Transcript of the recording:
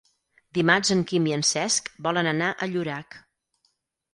Dimarts en Quim i en Cesc volen anar a Llorac.